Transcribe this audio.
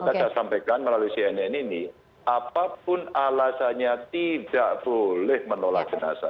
karena saya sampaikan melalui cnn ini apapun alasannya tidak boleh menolak jenazah